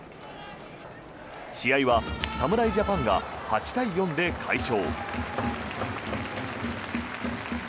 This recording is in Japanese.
試合は侍ジャパンが８対４で快勝。